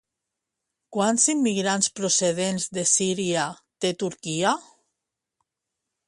Quants immigrants procedents de Síria té Turquia?